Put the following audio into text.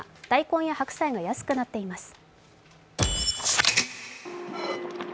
大根や白菜が安くなっています。